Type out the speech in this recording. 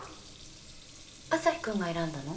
アサヒくんが選んだの？